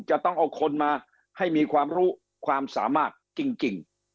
จะต้องเอาคนมาให้มีความรู้ความสามารถจริง